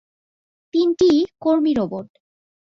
তিনটিই কর্মী রোবট।